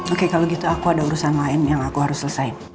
oke kalau gitu aku ada urusan lain yang aku harus selesai